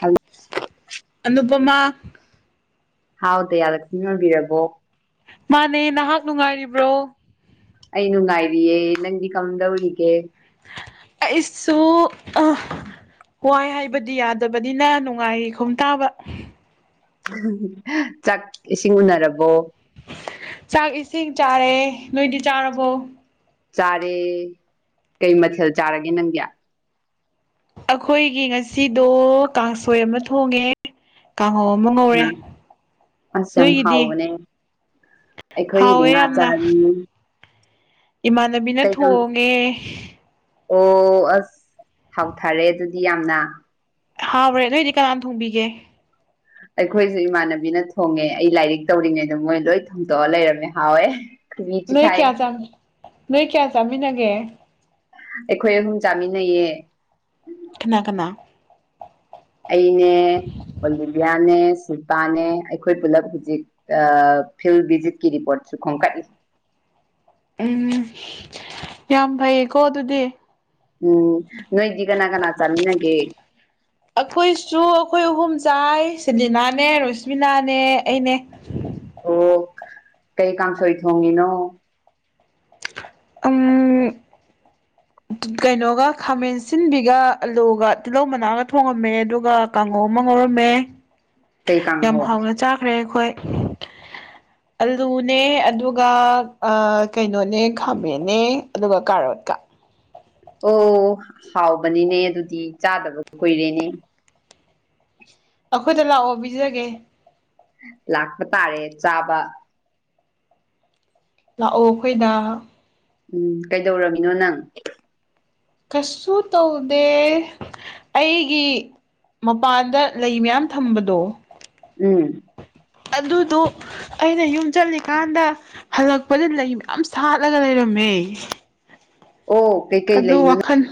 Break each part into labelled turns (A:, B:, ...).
A: hello
B: Anupama
A: ꯍꯥꯎ ꯗꯌꯥꯂꯛꯁꯃꯤ ꯑꯣꯏꯕꯤꯔꯕꯣ
B: ꯃꯥꯅꯦ ꯅꯍꯥꯛ ꯅꯨꯡꯉꯥꯏꯔꯤꯕ꯭ꯔꯣ
A: ꯑꯩ ꯅꯨꯡꯉꯥꯏꯔꯤꯌꯦꯦ ꯅꯪꯗꯤ ꯀꯝꯗꯧꯔꯤꯒꯦ
B: ꯑꯩꯁꯨꯁꯨ ꯑ ꯋꯥꯏ ꯍꯥꯏꯕꯗꯤ ꯌꯥꯗꯕꯅꯤꯅ ꯅꯨꯡꯉꯥꯏꯔꯤ ꯈꯣꯝ ꯇꯥꯕ
A: ꯆꯥꯛ ꯏꯁꯤꯡ ꯎꯅꯔꯕꯣ
B: ꯆꯥꯛ ꯏꯁꯤꯡ ꯆꯥꯔꯦ ꯅꯣꯏꯗꯤ ꯆꯥꯔꯕꯣ
A: ꯆꯥꯔꯦ ꯀꯩ ꯃꯊꯦꯜ ꯆꯥꯔꯒꯦ ꯅꯪꯗꯤ
B: ꯑꯩꯈꯣꯏꯒꯤ ꯉꯁꯤꯗꯣ ꯀꯥꯡꯁꯣꯏ ꯑꯃ ꯊꯣꯡꯉꯦ ꯀꯥꯡꯍꯧ ꯑꯃ ꯉꯧꯔꯦ
A: ꯎꯝ
B: ꯅꯣꯏꯒꯤꯗꯤ
A: ꯑꯩꯈꯣꯏꯗꯤ
B: ꯍꯥꯎꯋꯦ
A: ꯉꯥ
B: ꯌꯥꯝꯅ
A: ꯆꯥꯔꯤ
B: ꯏꯃꯥꯟꯅꯕꯤꯅ
A: ꯀꯩ ꯀꯪ
B: ꯊꯣꯡꯉꯦ
A: ꯑꯣ ꯑꯁ ꯍꯥꯎꯊꯔꯦ ꯑꯗꯨꯗꯤ ꯌꯥꯝꯅ
B: ꯍꯥꯕ꯭ꯔꯦ ꯑꯗꯨꯑꯣꯏꯗꯤ ꯀꯅꯥꯅ ꯊꯣꯡꯕꯤꯒꯦ
A: ꯑꯩꯈꯣꯏꯁꯨ ꯏꯃꯥꯟꯅꯕꯤꯅ ꯊꯣꯡꯉꯦ ꯑꯩ ꯂꯥꯏꯔꯤꯛ ꯇꯧꯔꯤꯉꯩꯗ ꯃꯣꯏ ꯂꯣꯏ ꯊꯣꯡꯇꯣꯛꯑ ꯂꯩꯔꯝꯃꯦ ꯍꯥꯎꯋꯦ ꯃꯤꯆ
B: ꯅꯣꯏ
A: ꯈꯥꯏ
B: ꯀꯌꯥ ꯆꯥꯃꯤ ꯅꯣꯏ ꯀꯌꯥ ꯆꯃꯤ ꯅꯒꯦ
A: ꯑꯩꯈꯣꯏ ꯑꯍꯨꯝ ꯆꯥꯃꯤꯟꯅꯩꯌꯦ
B: ꯈꯅꯥ ꯀꯅꯥ
A: ꯁꯜꯄꯥꯅꯦ ꯑꯩꯈꯣꯏ ꯄꯨꯂꯞ ꯍꯧꯖꯤꯛ ꯐꯤꯜ ꯚꯤꯖꯤꯠꯀꯤ ꯔꯤꯄꯣꯔꯠꯁꯨ ꯈꯣꯝꯀꯠꯂꯤ [unintelligible]
B: ꯎꯝ ꯌꯥꯝ ꯐꯩꯌꯦꯀꯣ ꯑꯗꯨꯗꯤ
A: ꯎꯝ ꯅꯣꯏꯗꯤꯒ ꯅꯒꯅꯥꯆꯥꯃꯤꯅꯒꯦ
B: ꯑꯩꯈꯣꯏꯁꯨ ꯑꯩꯈꯣꯏ ꯑꯍꯨꯝ ꯆꯥꯏ ꯁꯗꯤꯅꯥꯅꯦ ꯔꯣꯁꯃꯤꯅꯥꯅꯦ ꯑꯩꯅꯦ
A: ꯑꯣ ꯀꯩ ꯀꯥꯡꯁꯣꯏ ꯊꯣꯡꯉꯤꯅꯣ
B: ꯑꯝ ꯀꯩꯅꯣꯒ ꯈꯥꯃꯦꯟ ꯁꯤꯟꯕꯤꯒ ꯑꯂꯨꯒ ꯇꯤꯜꯍꯧ ꯃꯅꯥꯒ ꯊꯣꯡꯉꯝꯃꯦ ꯑꯗꯨꯒ ꯀꯥꯡꯉꯣꯝ ꯑꯃ ꯉꯔꯝꯃꯦ
A: ꯀꯩ
B: ꯌꯥꯝ
A: ꯀꯥꯡꯍꯧ
B: ꯍꯥꯎꯅ ꯆꯥꯈ꯭ꯔꯦ ꯑꯩꯈꯣꯏ ꯑꯂꯨꯅꯦ ꯑꯗꯨꯒ ꯀꯩꯅꯣꯅꯦ ꯈꯥꯃꯦꯟꯅꯦ ꯑꯗꯨꯒ ꯀꯥꯔꯣ ꯄꯠꯇ
A: ꯑꯣ ꯍꯥꯎꯕꯅꯤꯅꯦ ꯑꯗꯨꯗꯤ ꯆꯥꯗꯕ ꯀꯨꯏꯔꯦꯅꯦ ꯑ
B: ꯑꯩꯈꯣꯏꯗ ꯂꯥꯛꯑꯣ ꯄꯤꯖꯒꯦ
A: ꯂꯥꯛꯄ ꯇꯥꯔꯦ ꯆꯥꯕ
B: ꯂꯥꯛꯑꯣ ꯑꯩꯈꯣꯏꯅ
A: ꯎꯝ ꯀꯩꯗꯧꯃꯤꯅꯣ ꯅꯪ
B: ꯀꯩꯁꯨ ꯇꯧꯗꯦ ꯑꯩꯒꯤ ꯃꯄꯥꯟꯗ ꯂꯩ ꯃꯌꯥꯝ ꯊꯝꯕꯗꯣ
A: ꯎꯝ
B: ꯑꯗꯨꯗꯣ ꯑꯩꯅ ꯌꯨꯝ ꯆꯠꯂꯤꯀꯥꯟꯗ ꯍꯜꯂꯛꯄꯗ ꯂꯩ ꯃꯌꯥꯝ ꯁꯥꯠꯂꯒ ꯂꯩꯔꯝꯃꯦ
A: ꯑꯣ ꯀꯩꯀꯩ
B: ꯑꯗꯨ
A: ꯂꯩꯅ
B: ꯋꯥꯈꯜ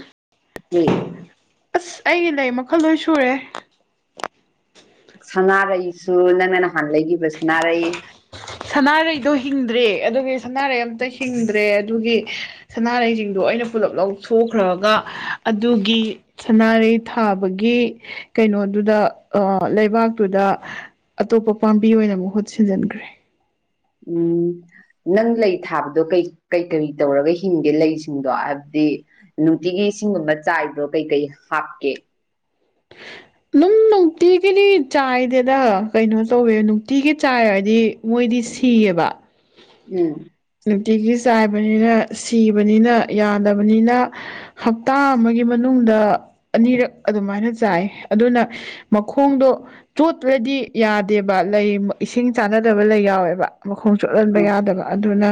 B: ꯑꯁ ꯑꯩꯒꯤ ꯂꯩ ꯃꯈꯜ ꯂꯣꯏ ꯁꯨꯔꯦ
A: ꯁꯉꯔꯩꯁꯨ ꯅꯪꯅꯅ
B: ꯁꯅꯥꯔꯩꯗꯣ ꯍꯤꯡꯗ꯭ꯔꯦ ꯑꯗꯨꯒꯤ ꯁꯅꯥꯔꯩ ꯑꯝꯇ ꯍꯤꯡꯗ꯭ꯔꯦ ꯑꯗꯨꯒꯤ ꯁꯅꯥꯔꯩꯁꯤꯡꯗꯣ ꯑꯩꯅ ꯄꯨꯂꯞ ꯄꯨꯂꯞ ꯁꯣꯛꯈ꯭ꯔꯒ ꯑꯗꯨꯒꯤ ꯁꯅꯥꯔꯩ ꯊꯥꯕꯒꯤ ꯀꯩꯅꯣꯗꯨꯗ ꯂꯩꯕꯥꯛ ꯇꯨꯗ ꯑꯇꯣꯞꯄ ꯄꯥꯝꯕꯤ ꯑꯣꯏꯅ ꯃꯍꯨꯠ ꯁꯤꯟꯖꯤꯟꯈ꯭ꯔꯦ
A: ꯎꯝ ꯅꯪ ꯂꯩ ꯊꯥꯕꯗꯣ ꯀꯩ ꯀꯩ ꯀꯔꯤ ꯇꯧꯔꯒ ꯍꯤꯡꯒꯦ ꯂꯩꯁꯤꯡꯗꯣ ꯍꯥꯏꯕꯗꯤ ꯅꯨꯡꯇꯤꯒꯤ ꯏꯁꯤꯡꯒꯨꯝꯕ ꯆꯥꯏꯗ꯭ꯔꯣ ꯀꯩꯀꯩ ꯍꯥꯞꯀꯦ
B: ꯑꯗꯨꯝ
A: [unintelligible]
B: ꯅꯨꯡꯇꯤꯒꯤꯗꯤ ꯆꯥꯏꯗꯦꯗ ꯀꯩꯅꯣ ꯇꯧꯋꯦ ꯅꯨꯡꯇꯤꯒꯤ ꯆꯥꯏ ꯍꯥꯏꯗꯤ ꯃꯣꯏꯗꯤ ꯁꯤꯌꯦꯕ ꯕꯥ
A: ꯎꯝ
B: ꯅꯨꯡꯇꯤꯒꯤ ꯆꯥꯏꯕꯅꯤꯅ ꯁꯤꯕꯅꯤꯅ ꯌꯥꯗꯕꯅꯤꯅ ꯍꯞꯇꯥ ꯑꯃꯒꯤ ꯃꯅꯨꯡꯗ ꯑꯅꯤꯔꯛ ꯑꯗꯨꯃꯥꯏꯅ ꯆꯥꯏ ꯑꯗꯨꯅ ꯃꯈꯣꯡꯗꯣ ꯇꯣꯠꯇ꯭ꯔꯗꯤ ꯌꯥꯗꯦꯕ ꯂꯩ ꯏꯁꯤꯡ ꯆꯥꯟꯅꯗꯕ ꯂꯩ ꯌꯥꯎꯋꯦꯕ ꯃꯈꯣꯡ ꯆꯣꯠꯍꯟꯕ
A: ꯎꯝ
B: ꯌꯥꯗꯕ ꯑꯗꯨꯅ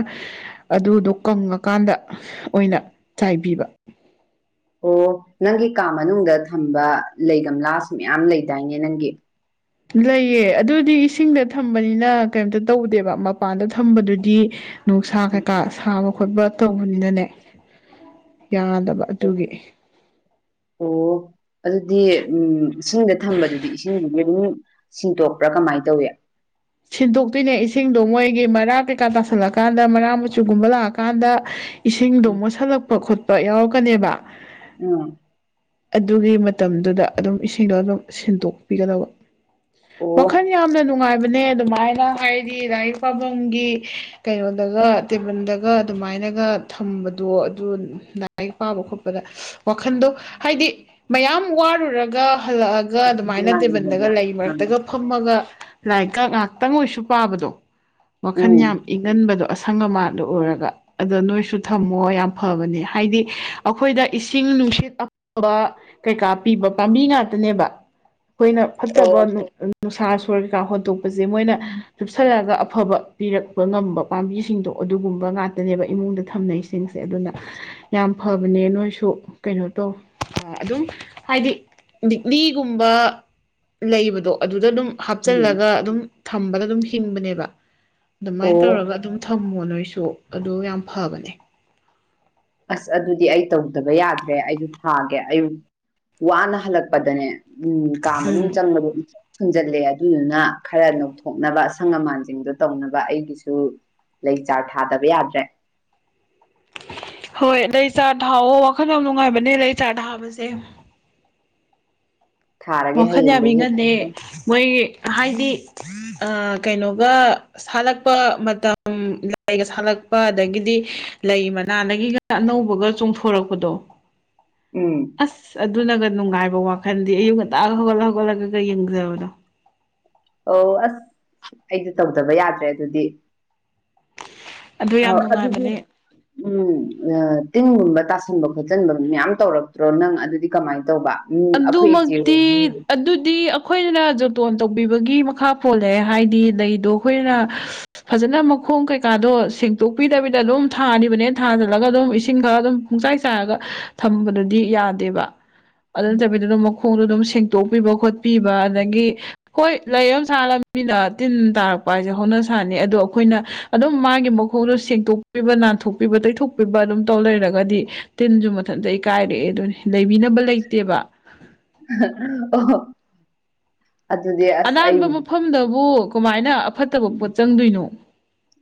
B: ꯑꯗꯨꯗꯣ ꯀꯪꯉꯀꯥꯟꯗ ꯑꯣꯏꯅ ꯆꯥꯏꯕꯤꯕ
A: ꯑꯣ ꯅꯪꯒꯤ ꯀꯥ ꯃꯅꯨꯡꯗ ꯊꯝꯕ ꯂꯩꯒꯝꯂꯥꯁꯥꯁ ꯃꯌꯥꯝ ꯂꯩꯗꯥꯏꯅꯦ ꯅꯪꯒꯤ
B: ꯂꯩꯑ ꯑꯗꯨꯗꯤ ꯏꯁꯤꯡꯗ ꯊꯝꯕꯅꯤꯅ ꯀꯩꯝꯇ ꯇꯧꯗꯦꯕ ꯃꯄꯥꯟꯗ ꯊꯝꯕꯗꯨꯗꯤ ꯅꯨꯡꯁꯥ ꯀꯩꯀꯥ ꯁꯥꯕ ꯈꯣꯠꯄ ꯇꯧꯕꯅꯤꯅꯅꯦ ꯌꯥꯗꯕ ꯑꯗꯨꯒꯤ
A: ꯑꯣ ꯑꯗꯨꯗꯤ ꯎꯝ ꯏꯁꯤꯡꯗ ꯊꯝꯕꯗꯨꯗꯤ ꯏꯁꯤꯡꯗꯨꯗꯤ ꯑꯗꯨꯝ ꯁꯤꯟꯇꯣꯛꯄ꯭ꯔꯥ ꯀꯃꯥꯏꯅ ꯇꯧꯏ
B: ꯁꯤꯟꯗꯣꯛꯇꯣꯏꯅꯦ ꯏꯁꯤꯡꯗꯣ ꯃꯣꯏꯒꯤ ꯃꯔꯥ ꯀꯩꯀꯥ ꯇꯥꯁꯜꯂꯀꯥꯟꯗ ꯃꯔꯥ ꯃꯆꯨꯒꯨꯝꯕ ꯂꯥꯛꯑꯀꯥꯟꯗ ꯏꯁꯤꯡꯗꯣ
A: ꯎꯝ
B: ꯃꯣꯠꯁꯤꯜꯂꯛꯄ ꯈꯣꯠꯄ ꯌꯥꯎꯔꯛꯀꯅꯦꯕ
A: ꯑꯥ
B: ꯑꯗꯨꯒꯤ ꯃꯇꯝꯗꯨꯗ ꯑꯗꯨꯝ ꯏꯁꯤꯡꯗꯣ ꯑꯗꯨꯝ ꯁꯤꯟꯗꯣꯛꯄꯤꯒꯗꯕ
A: ꯑꯣ
B: ꯋꯥꯈꯜ ꯌꯥꯝꯅ ꯅꯨꯡꯉꯥꯏꯕꯅꯦ ꯑꯗꯨꯃꯥꯏꯅ ꯍꯥꯏꯗꯤ ꯂꯥꯏꯔꯤꯛ ꯄꯥꯐꯝꯒꯤ ꯀꯩꯅꯣꯗꯒ ꯇꯦꯕꯜꯗꯒ ꯑꯗꯨꯃꯥꯏꯅꯒ ꯊꯝꯕꯗꯣ ꯑꯗꯨ ꯂꯥꯏꯔꯤꯛ ꯄꯥꯕ ꯈꯣꯠꯄꯗ ꯋꯥꯈꯟꯗꯣ ꯍꯥꯏꯗꯤ ꯃꯌꯥꯝ ꯋꯥꯔꯨꯔꯒ ꯍꯜꯂꯛꯑꯒ ꯑꯗꯨꯃꯥꯏꯅ ꯇꯦꯕꯜꯗꯒ ꯂꯩ ꯃꯔꯛꯇꯒ ꯐꯝꯃꯒ ꯂꯥꯏꯔꯤꯛꯀ ꯉꯥꯛꯇꯪ ꯑꯣꯏꯁꯨ ꯄꯥꯕꯗꯣ ꯋꯥꯈꯟ
A: ꯎꯝ
B: ꯌꯥꯝ ꯏꯪꯍꯟꯕꯗꯣ ꯁꯪ ꯃꯥꯥꯟꯗꯨ ꯑꯣꯏꯔꯒ ꯑꯗ ꯅꯣꯏ ꯁꯨ ꯊꯝꯃꯣ ꯌꯥꯝ ꯐꯕꯅꯦ ꯍꯥꯏꯗꯤ ꯑꯩꯈꯣꯏꯗ ꯏꯁꯤꯡ ꯅꯨꯡꯁꯤꯠ ꯀꯩꯀꯥ ꯄꯤꯕ ꯄꯥꯝꯕꯤ ꯉꯥꯛꯇꯅꯦꯕ ꯑꯩꯈꯣꯏꯅ
A: ꯑꯣ
B: ꯐꯠꯇꯕ ꯅꯨꯡꯁꯥ ꯁꯣꯔ ꯀꯩꯀꯥ ꯍꯣꯟꯇꯣꯛꯄꯁꯦ ꯃꯣꯏꯅ ꯂꯨꯞꯁꯜꯂꯑꯒ ꯑꯐꯕ ꯄꯤꯔꯛꯄ ꯉꯝꯕ ꯄꯥꯝꯕꯤꯁꯤꯡꯗꯣ ꯑꯗꯨꯒꯨꯝꯕ ꯉꯥꯛꯇꯅꯦꯕ ꯏꯃꯨꯡꯗ ꯊꯝꯅꯩꯁꯤꯡꯁꯦ ꯑꯗꯨꯅ ꯌꯥꯝ ꯐꯕꯅꯦ ꯅꯣꯏꯁꯨ ꯀꯩꯅꯣ ꯇꯧ ꯑꯗꯨꯝ ꯍꯥꯏꯗꯤ ꯂꯤꯗꯤꯛꯂꯤꯒꯨꯝꯕ ꯂꯩꯕꯗꯣ ꯑꯗꯨꯗ ꯑꯗꯨꯝ
A: ꯎꯝ
B: ꯍꯥꯞꯆꯜꯂꯒ ꯑꯗꯨꯝ ꯊꯝꯕꯗ ꯑꯗꯨꯝ ꯍꯤꯡꯕꯅꯦꯕ ꯑꯗꯨꯃꯥꯏꯅ
A: ꯑꯣ
B: ꯇꯧꯔꯒ ꯑꯗꯨꯝ ꯍꯉꯣꯟ ꯅꯣꯏꯁꯨ ꯑꯗꯨ ꯌꯥꯝ ꯐꯕꯅꯦ
A: ꯑꯁ ꯑꯗꯨꯗꯤ ꯑꯩ ꯇꯧꯗꯕ ꯌꯥꯗ꯭ꯔꯦ ꯑꯩꯁꯨ ꯊꯥꯒꯦ ꯑꯌꯨꯛ ꯋꯥꯅ ꯍꯜꯂꯛꯄꯗꯅꯦ ꯎꯝ ꯀꯥ
B: ꯎꯝ
A: ꯃꯅꯨꯡ ꯆꯪꯕ ꯁꯨꯟꯖꯜꯂꯦ ꯑꯗꯨꯗꯨꯅ ꯈꯔ ꯅꯧꯊꯣꯛꯅꯕ ꯑꯁꯪ ꯑꯃꯥꯟꯁꯤꯡꯗꯣ ꯇꯧꯅꯕ ꯑꯩꯒꯤꯁꯨ ꯂꯩ ꯆꯥꯔ ꯊꯥꯗꯕ ꯌꯥꯗ꯭ꯔꯦ
B: ꯍꯣꯏ ꯂꯩ ꯆꯥꯔ ꯊꯥꯛꯑꯣ ꯋꯥꯈꯜ ꯌꯥꯝ ꯅꯨꯡꯉꯥꯏꯕꯅꯦ ꯂꯩ ꯆꯥꯔ ꯊ ꯊꯥꯕꯁꯦ
A: ꯊꯥꯔꯒꯦ
B: ꯋꯥꯈꯜ ꯌꯥꯝꯃꯤ
A: ꯍꯌꯦꯡꯗꯒꯤ
B: ꯉꯜꯅꯦ ꯃꯣꯏ ꯍꯥꯏꯗꯤ ꯀꯩꯅꯣꯒ ꯁꯥꯠꯂꯛꯄ ꯃꯇꯝ ꯂꯥꯏꯒ ꯁꯥꯠꯂꯛ ꯛꯄ ꯑꯗꯒꯤꯗꯤ ꯂꯩ ꯃꯅꯥꯗꯒꯤꯒ ꯑꯅꯧꯕꯒ ꯆꯣꯡꯊꯣꯔꯛꯄꯗꯣ
A: ꯎꯝ
B: ꯑꯁ ꯑꯗꯨꯅꯒ ꯅꯨꯡꯉꯥꯏꯕ ꯋꯥꯈꯜꯗꯤ ꯑꯌꯨꯛ ꯉ ꯑꯥꯒ ꯍꯒꯂ ꯍꯧꯒꯂꯒꯦꯒ ꯌꯦꯡꯖꯕꯗ
A: ꯑꯣ ꯑꯁ ꯑꯩꯗꯤ ꯇꯧꯗꯕ ꯌꯥꯗ꯭ꯔꯦ ꯑꯗꯨꯗꯤ
B: ꯑꯗꯨ ꯌꯥꯝ
A: ꯑꯧ ꯑꯗꯨꯗꯤ
B: ꯅꯨꯡꯉꯥꯏꯕꯅꯦ
A: ꯎꯝ ꯇꯤꯟꯒꯨꯝꯕ ꯇꯥꯁꯟꯕ ꯈꯣꯠꯆꯟꯕ ꯃꯌꯥꯝ ꯇꯧꯔꯛꯇ꯭ꯔꯣ ꯅꯪ ꯑꯗꯨꯗꯤ ꯀꯃꯥꯏꯅ ꯇꯧꯕ ꯎꯝ ꯑꯩꯈꯣꯏ ꯏꯆꯦ
B: ꯑꯗꯨꯃꯛꯇꯤ ꯑꯗꯨꯗꯤ ꯑꯩꯈꯣꯏꯅ ꯖꯣꯇꯣꯟ ꯇꯧꯕꯤꯕꯒꯤ ꯃꯈꯥ ꯄꯣꯜꯂꯦ ꯍꯥꯏꯗꯤ ꯂꯩꯗꯣ ꯑꯩꯈꯣꯏꯅ ꯐꯖꯅ ꯈꯣꯡ ꯀꯩꯀꯥꯗꯣ ꯁꯦꯡꯇꯣꯛꯄꯤꯗꯕꯤꯗ ꯑꯗꯨꯝ ꯊꯥꯅꯤꯕꯅꯦ ꯊꯥꯖꯤꯜꯂꯒ ꯑꯗꯨꯝ ꯏꯁꯤꯡ ꯈꯔ ꯑꯗꯨꯝ ꯄꯨꯡꯆꯥꯏ ꯆꯥꯏꯔꯒ ꯊꯝꯕꯗꯗꯤ ꯌꯥꯗꯦꯕ ꯑꯗꯨ ꯅꯠꯇꯕꯤꯗ ꯑꯗꯨꯝ ꯃꯈꯣꯡꯗꯣ ꯑꯗꯨꯝ ꯁꯦꯡꯇꯣꯛꯄꯤꯕ ꯈꯣꯠꯄꯤꯕ ꯑꯗꯒꯤ ꯍꯣꯏ ꯂꯩ ꯑꯃ ꯁꯥꯍꯜꯂꯝ ꯇꯤꯟ ꯇꯥꯔꯛꯄ ꯍꯥꯏꯁꯦ ꯍꯧꯅ ꯁꯥꯟꯅꯤ ꯑꯗꯣ ꯑꯩꯈꯣꯏꯅ ꯑꯗꯨꯝ ꯃꯥꯒꯤ ꯃꯈꯣꯡꯗꯣ ꯁꯦꯡꯛꯇꯣꯛꯄꯤꯕ ꯅꯥꯟꯊꯣꯛ ꯣꯛꯄꯤꯕ ꯇꯩꯊꯣꯛꯄꯤꯕ ꯑꯗꯨꯝ ꯇꯧ ꯂꯩꯔꯒꯗꯤ ꯇꯤꯟꯁꯨ ꯃꯊꯟ ꯑꯩ ꯀꯥꯏꯔꯛꯑꯦ ꯑꯗꯨ
A: ꯑꯣ ꯑꯗꯨꯗꯤ ꯑꯁ ꯑꯩ
B: ꯑꯅꯥꯟꯕ ꯃꯐꯝꯗꯕꯨ ꯀꯃꯥꯏꯅ ꯑꯐꯠꯇꯕ ꯄꯣꯠ ꯆꯪꯗꯣꯏꯅꯣ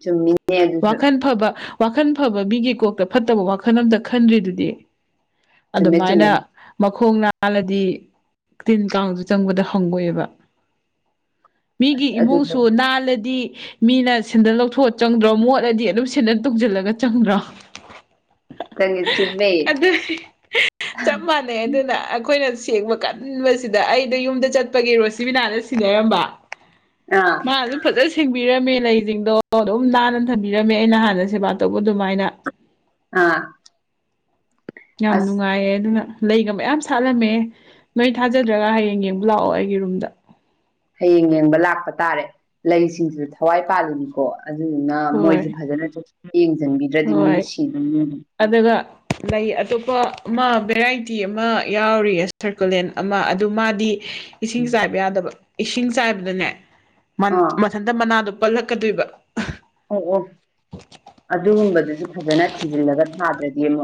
A: ꯆꯨꯝꯃꯤꯅꯦ ꯑꯗꯨꯁꯨ
B: ꯋꯥꯈꯟ ꯐꯕ ꯋꯥꯈꯟ ꯐꯕ ꯃꯤꯒꯤ ꯀꯣꯛꯇ ꯐꯠꯇꯕ ꯋꯥꯈꯜ ꯑꯝꯇ ꯈꯟꯗ꯭ꯔꯤꯗꯨꯗꯤ
A: ꯆꯨꯝꯃꯦ
B: ꯑꯗꯨꯃꯥꯏꯅ
A: ꯆꯨꯝꯃꯦ
B: ꯃꯈꯣꯡ ꯍꯜꯂꯗꯤ ꯇꯤꯟ ꯀꯥꯡꯗꯨ ꯆꯪꯕꯗ ꯍꯪꯉꯣꯏꯑꯕ ꯃꯤꯒꯤ
A: ꯑꯁ ꯑꯗꯨꯗꯣ
B: ꯏꯃꯨꯡꯁꯨ ꯅꯥꯜꯂꯗꯤ ꯃꯤꯅ ꯁꯦꯟꯗꯟ ꯂꯧꯊꯣꯛꯑ ꯆꯪꯗ꯭ꯔꯣ ꯃꯣꯠꯂꯗꯤ ꯑꯗꯨꯝ ꯁꯦꯟꯗ ꯇꯧꯁꯤꯜꯂꯒ ꯆꯪꯗ꯭ꯔꯥ
A: ꯅꯪꯒꯤ ꯆꯨꯝꯃꯦ
B: ꯑꯗꯨꯗꯤ ꯆꯞ ꯃꯥꯟꯅꯩ ꯑꯗꯨꯅ ꯑꯩꯈꯣꯏꯅ ꯁꯦꯡꯕ ꯀꯟꯕꯁꯤꯗ ꯑꯩꯗꯣ ꯌꯨꯝꯗ ꯆꯠꯄꯒꯤꯔꯣ ꯁꯤꯕꯤꯅꯥꯅ ꯁꯤꯟꯅꯔꯝꯕ
A: ꯑꯥ
B: ꯃꯥ ꯑꯗꯨ ꯐꯠꯇ ꯊꯁꯤꯡꯕꯤꯔꯝꯃꯦ ꯂꯩꯁꯤꯡꯗꯣ ꯑꯗꯨꯝ ꯅꯥꯟꯅ ꯊꯝꯕꯤꯔꯝꯃꯦ ꯑꯩ ꯅꯍꯥꯟꯅ ꯁꯦꯕꯥ ꯇꯧꯕ ꯑꯗꯨꯃꯥꯏꯅ
A: ꯑꯥ
B: ꯌꯥꯝ
A: ꯑꯁ
B: ꯅꯨꯡꯉꯥꯏꯌꯦꯦ ꯑꯗꯨꯅ ꯂꯩꯒ ꯃꯌꯥꯝ ꯁꯥꯠꯂꯝꯃꯦ ꯅꯣꯏ ꯊꯥꯖꯗ꯭ꯔꯒ ꯍꯌꯦꯡ ꯌꯦꯡꯕ ꯂꯥꯛꯑꯣ ꯑꯩꯒꯤ ꯔꯨꯝꯗ
A: ꯍꯌꯦꯡ ꯌꯦꯡꯕ ꯂꯥꯛꯄ ꯇꯥꯔꯦ ꯂꯩꯁꯤꯡꯁꯤꯁꯨ ꯊꯋꯥꯏ ꯄꯥꯟꯕꯥꯜꯂꯤꯅꯤꯀꯣ ꯑꯗꯨꯗꯨꯅ ꯃꯣꯏꯁꯨ
B: ꯍꯣꯏ
A: ꯐꯖꯅ ꯆ
B: ꯍꯣꯏ ꯑꯗꯨꯒ ꯂꯩ ꯑꯇꯣꯞꯄ ꯑꯃ ꯚꯦꯔꯥꯏꯇꯤ ꯑꯃ ꯌꯥꯎꯔꯤꯌꯦ ꯁꯔꯀꯨꯂꯦꯟ ꯑꯃ ꯑꯗꯨ ꯃꯥꯗꯤ ꯏꯁꯤꯡ ꯆꯥꯏꯕ ꯌꯥꯗꯕ ꯏꯁꯤꯡ ꯆꯥꯏꯕꯗꯅꯦ
A: ꯑꯥ
B: ꯃꯊꯟꯇ ꯃꯅꯥꯗꯣ ꯄꯜꯂꯛꯀꯗꯣꯏꯕ
A: ꯑꯗꯨꯁꯨ ꯐꯖꯅ ꯊꯤꯖꯤꯜꯂꯒ ꯊꯥꯗ꯭ꯔꯗꯤ ꯑꯃꯣ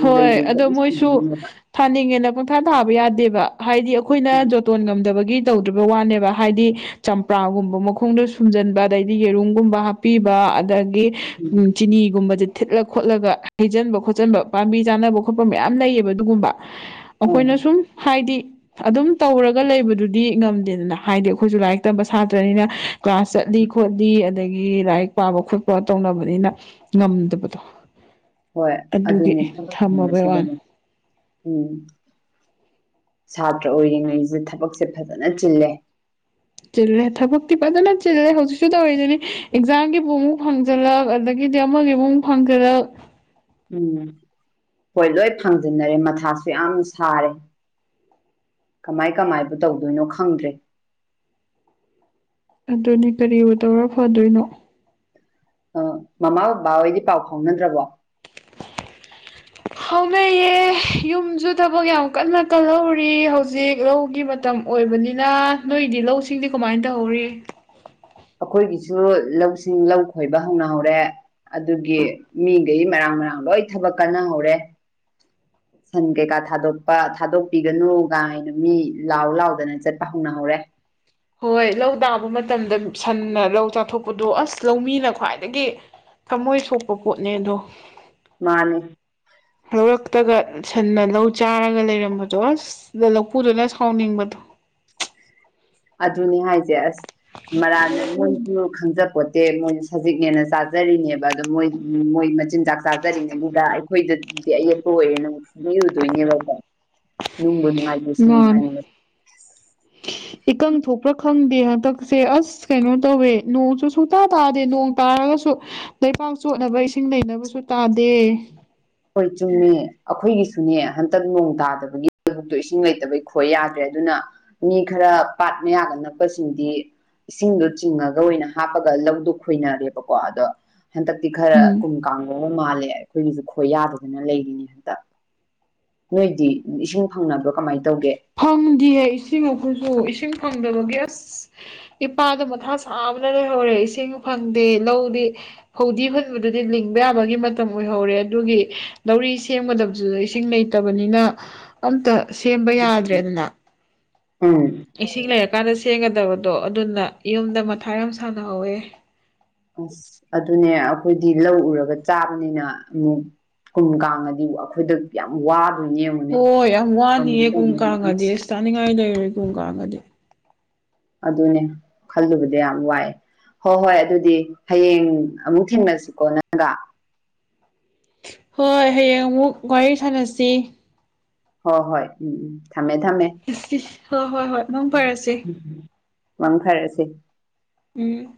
B: ꯍꯣꯏ ꯑꯗꯣ ꯃꯣꯏꯁꯨ
A: ꯁꯤꯗꯣꯏꯅꯦꯕ
B: ꯊꯥꯅꯤꯡꯉꯦꯅ ꯄꯨꯡꯊꯥ ꯊꯥꯕ ꯌꯥꯗꯦꯕ ꯍꯥꯏꯗꯤ ꯑꯩꯈꯣꯏꯅ ꯖꯣꯇꯣꯟ ꯉꯝꯗꯕꯒꯤ ꯇꯧꯗ꯭ꯔꯤꯕ ꯋꯥꯅꯦꯕ ꯍꯥꯏꯗꯤ ꯆꯝꯄ꯭ꯔꯥꯒꯨꯝꯕ ꯃꯈꯣꯡꯗꯣ ꯁꯨꯝꯖꯤꯟꯕ ꯑꯗꯩꯗꯤ ꯌꯦꯔꯨꯝꯒꯨꯝꯕ ꯍꯥꯞꯄꯤꯕ ꯑ ꯎ ꯆꯤꯅꯤꯒꯨꯝꯕꯁꯦ ꯊꯤꯠꯂ ꯈꯣꯠꯂꯒ ꯍꯩꯟꯕ ꯈ ꯍꯥꯞꯆꯟꯕ ꯄꯥꯝꯕꯤ ꯆꯥꯅꯕ ꯈꯣꯠꯄ ꯃꯌꯥꯝ ꯂꯩꯌꯦꯕ ꯑꯗꯨꯒꯨꯝꯕ ꯑꯩꯈꯣꯏꯅ
A: ꯎꯝ
B: ꯁꯨꯝ ꯍꯥꯏꯗꯤ ꯑꯗꯨꯝ ꯇꯧꯔꯒ ꯂꯩꯕꯗꯨꯗꯤ ꯉꯝꯗꯦꯗꯅ ꯍꯥꯏꯗꯤ ꯑꯩꯈꯣꯏꯁꯨ ꯂꯥꯏꯔꯤꯛ ꯇꯝꯕ ꯁꯥꯇ꯭ꯔꯅꯤꯅ ꯀ꯭ꯂꯥꯁ ꯆꯠꯂꯤ ꯈꯣꯠꯂꯤ ꯑꯗꯒꯤ ꯂꯥꯏꯔꯤꯛ ꯄꯥꯕ ꯈꯣꯠꯄ ꯇꯧꯅꯕꯅꯤꯅ ꯉꯝꯗꯕꯗꯣ
A: ꯍꯣꯏ
B: ꯑꯗꯨꯒꯤ
A: ꯑꯗꯨꯅꯦ
B: ꯊꯝꯃꯕꯩ ꯋꯥꯅꯤ
A: ꯊꯔꯁꯤꯗꯅ ꯎꯝ ꯁꯥꯇ꯭ꯔ ꯑꯣꯏꯔꯤꯉꯩꯁꯦ ꯊꯕꯛꯁꯦ ꯐꯖꯅ ꯆꯤꯜꯂꯦ
B: ꯆꯤꯜꯂꯦ ꯊꯕꯛꯇꯤ ꯐꯖꯅ ꯆꯤꯜꯂꯦ ꯍꯧꯖꯤꯛꯁꯨ ꯇꯧꯔꯤꯁꯤꯅꯤ ꯑꯦꯛꯖꯥꯝꯒꯤꯕꯨ ꯑꯃꯨꯛ ꯍꯪꯖꯤꯜꯂꯛ ꯑꯗꯒꯤ ꯁꯤꯗꯤ ꯑꯃꯒꯤ ꯃꯨꯡ ꯐꯪꯗꯦꯗ
A: ꯎꯝ ꯍꯣꯏ ꯂꯣꯏ ꯐꯪꯖꯤꯟꯅꯔꯦ ꯃꯊꯥꯁꯨ ꯌꯥꯝ ꯁꯥꯔꯦ ꯀꯃꯥꯏ ꯀꯃꯥꯏꯕꯨ ꯇꯧꯗꯣꯏꯅꯣ ꯈꯪꯗ꯭ꯔꯦ
B: ꯑꯗꯨꯅꯤ ꯀꯔꯤ ꯑꯣꯏ ꯇꯧꯔ ꯐꯗꯣꯏꯅꯣ
A: ꯑ ꯃꯃꯥ ꯕꯕꯥ ꯍꯣꯏꯗꯤ ꯄꯥꯎ ꯐꯥꯎꯅꯗ꯭ꯔꯕꯣ
B: ꯍꯧꯅꯩꯌꯦ ꯌꯨꯝꯁꯨ ꯊꯕꯛ ꯌꯥꯝ ꯀꯟꯅ ꯀꯜꯍꯧꯔꯤ ꯍꯧꯖꯤꯛ ꯂꯧꯒꯤ ꯃꯇꯝ ꯑꯣꯏꯕꯅꯤꯅ ꯅꯣꯏꯗꯤ ꯂꯧꯁꯤꯡꯗꯤ ꯀꯃꯥꯏꯅ ꯇꯧꯍꯧꯔꯤ
A: [inaudible] ꯑꯩꯈꯣꯏꯒꯤꯁꯨ ꯂꯧꯁꯤꯡ ꯂꯧ ꯈꯣꯏꯕ ꯍꯧꯅꯍꯧꯔꯦ ꯑꯗꯨꯒꯤ ꯃꯤꯈꯩ ꯃꯔꯥꯡ ꯉꯥꯡ ꯂꯣꯏ ꯊꯕꯛ ꯀꯥꯟꯟꯅꯍꯧꯔꯦ ꯁꯟ ꯀꯩꯀꯥ ꯊꯥꯗꯣꯛꯄ ꯊꯥꯗꯣꯛꯄꯤꯒꯅꯨꯒꯥꯏꯅ ꯃꯤ ꯂꯥꯎ ꯂꯥꯎꯗꯅ ꯆꯠꯄ ꯍꯧꯅꯍꯧꯔꯦ
B: ꯍꯣꯏ ꯂꯧ ꯇꯥꯕ ꯃꯇꯝꯗ ꯁꯟꯅ ꯂꯧ ꯆꯥꯊꯣꯛꯄꯗꯣ ꯑꯁ ꯂꯧꯃꯤꯅ ꯈ꯭ꯋꯥꯏꯗꯒꯤ ꯊꯃꯣꯏ ꯁꯣꯛꯄ ꯄꯣꯠꯅꯦ ꯑꯗꯣ
A: ꯃꯥꯅꯦ
B: ꯇꯒ ꯁꯟꯅ ꯂꯧ ꯆꯥꯔꯒ ꯂꯩꯔꯝꯕꯗꯣ ꯂꯧꯄꯨꯗꯨꯅ ꯁꯥꯎꯅꯤꯡꯕꯗꯣ
A: ꯑꯗꯨꯅꯦ ꯍꯥꯏꯁꯦ ꯑꯁ ꯃꯔꯥꯟꯜ ꯈꯪꯖꯄꯣꯠꯇꯦ ꯃꯣꯏꯅ ꯁꯖꯤꯛꯅꯦꯅ ꯆꯥꯖꯔꯤꯅꯦꯕ ꯑꯗꯣ ꯃꯣꯏ ꯃꯣꯏ ꯃꯆꯤꯟꯖꯥꯛ ꯆꯥꯖꯔꯤꯉꯩꯅꯤꯗ ꯑꯩꯈꯣꯏꯗꯗꯤ ꯑꯌꯦꯛꯄ ꯑꯣꯏꯔꯦꯅ ꯂꯩꯔꯨꯗꯣꯏꯅꯦꯕꯀꯣ ꯅꯨꯡꯕꯨ
B: ꯃꯥꯅꯦ
A: ꯁ
B: ꯈ ꯈꯪꯗꯦ ꯍꯟꯗꯛꯁꯦ ꯑꯁ ꯀꯩꯅꯣ ꯇꯧꯋꯦ ꯅꯣꯡꯁꯨ ꯁꯨꯇꯥ ꯇꯥꯗꯦ ꯅꯣꯡ ꯇꯥꯔꯒꯁꯨ ꯂꯩꯄꯥꯛ ꯆꯣꯠꯅꯕ ꯏꯁꯤꯡ ꯂꯩꯅꯕꯁꯨ ꯇꯥꯗꯦ
A: ꯍꯈꯣꯏ ꯆꯨꯝꯃꯤ ꯑꯩꯈꯣꯏꯒꯤꯁꯨꯅꯦ ꯍꯟꯇꯛ ꯅꯣꯡ ꯇꯥꯗꯕꯒꯤ ꯊꯕꯛꯇꯣ ꯏꯁꯤꯡ ꯂꯩꯇꯕꯒꯤ ꯈꯣꯏ ꯌꯥꯗ꯭ꯔꯦ ꯑꯗꯨꯅ ꯃꯤ ꯈꯔ ꯄꯥꯠ ꯃꯌꯥꯒ ꯅꯛꯄꯁꯤꯡꯗꯤ ꯏꯁꯤꯡꯗꯣ ꯆꯤꯡꯉꯒ ꯑꯣꯏꯅ ꯍꯥꯞꯄꯒ ꯂꯧꯗꯨꯣ ꯈꯣꯏꯅꯔꯦꯕꯀꯣ ꯑꯗꯣ ꯍꯟꯗꯛꯇꯤ ꯈꯔ
B: ꯎꯝ
A: ꯀꯨꯝ ꯀꯥꯡꯕ ꯑꯃ ꯃꯥꯜꯂꯦ ꯑꯩꯈꯣꯏꯒꯤꯁꯨ ꯑꯩꯈꯣꯏ ꯌꯥꯗꯗꯅ ꯂꯩꯔꯤꯅꯤ ꯍꯟꯗꯛ ꯅꯣꯏꯗꯤ ꯏꯁꯤꯡ ꯐꯪꯅꯕ꯭ꯔꯣ ꯀꯃꯥꯏꯅ ꯇꯧꯒꯦ [inaudible]
B: ꯗꯤꯍ ꯏꯁꯤꯡ ꯑꯩꯈꯣꯏꯁꯨ ꯏꯁꯤꯡ ꯐꯪꯗꯕꯒꯤ ꯑꯁ ꯏꯄꯥꯗ ꯃꯊꯥ ꯁꯥꯕꯅ ꯂꯩꯍꯧꯔꯦ ꯏꯁꯤꯡ ꯐꯪꯗꯦ ꯂꯧꯗꯤ ꯐꯧꯗꯤ ꯍꯨꯟꯕꯗꯨꯗꯤ ꯂꯤꯡꯕ ꯌꯥꯕꯒꯤ ꯃꯇꯝ ꯑꯣꯏꯍꯧꯔꯦ ꯑꯗꯨꯒꯤ ꯂꯧꯔꯤ ꯁꯦꯝꯒꯗꯕꯗꯨꯗ ꯏꯁꯤꯡ ꯂꯩꯇꯕꯅꯤꯅ ꯑꯝꯇ ꯁꯦꯝꯕ ꯌꯥꯗ꯭ꯔꯦꯗꯅ
A: ꯎꯝ
B: ꯏꯁꯤꯡ ꯂꯩꯔꯀꯥꯟꯗ ꯁꯦꯡꯒꯗꯕꯗꯣ ꯑꯗꯨꯅ ꯌꯨꯝꯗ ꯃꯊꯥ ꯌꯥꯝ ꯁꯥꯟꯅꯍꯧꯋꯦ
A: ꯑꯁ ꯑꯗꯨꯅꯦ ꯑꯩꯈꯣꯏꯗꯤ ꯂꯧ ꯎꯔꯒ ꯆꯥꯕꯅꯤꯅ ꯑꯃꯨꯛ ꯀꯨꯝ ꯀꯥꯡꯉꯗꯤ ꯑꯩꯈꯣꯏꯗ ꯌꯥꯝ ꯋꯥ
B: ꯍꯣꯏ ꯌꯥꯝ ꯋꯥꯅꯤꯑ ꯀꯨꯡ ꯀꯥꯡꯉꯗꯤ ꯑꯁ ꯆꯥꯅꯤꯡꯉꯥꯏ ꯂꯩꯔꯣꯏ ꯀꯨꯡ ꯀꯥꯡꯉꯗꯤ
A: ꯑꯗꯨꯅꯦ ꯈꯜꯂꯨꯕꯗꯤ ꯌꯥꯝ ꯋꯥꯏꯦ ꯍꯣꯏ ꯍꯣꯏ ꯑꯗꯨꯗꯤ ꯍꯌꯦꯡ ꯑꯃꯨꯛ ꯊꯦꯡꯟꯅꯁꯤꯀꯣ ꯅꯪꯒꯥ
B: ꯍꯣꯏ ꯍꯌꯦꯡ ꯑꯃꯨꯛ ꯋꯥꯔꯤ ꯁꯥꯟꯅꯁꯤ
A: ꯍꯣ ꯍꯣꯏ ꯎꯝ ꯎꯝ ꯊꯝꯃꯦ ꯊꯝꯃꯦ
B: ꯍꯣꯏ ꯍꯣꯏ ꯍꯣꯏ ꯅꯪ ꯐꯔꯁꯤ
A: ꯋꯥꯝꯊꯔꯁꯦ
B: ꯎꯝ